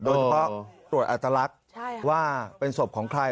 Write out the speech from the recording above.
โดยเฉพาะตรวจอัตลักษณ์ว่าเป็นศพของใคร